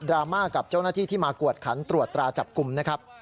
ราม่ากับเจ้าหน้าที่ที่มากวดขันตรวจตราจับกลุ่มนะครับ